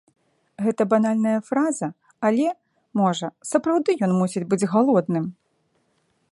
Гэта банальная фраза, але, можа, сапраўды ён мусіць быць галодным.